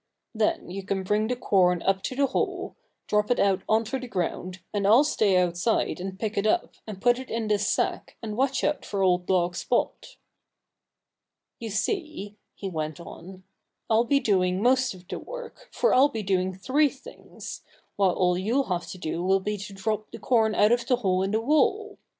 Then you can bring the corn up to the hole, drop it out onto the ground, and I'll stay outside and pick it up and put it in this sack and watch out for old dog Spot." "You see," he went on, "I'll be doing most of the work, for I'll be doing three things, while all you'll have to do will be to drop the corn out of the hole in the wall....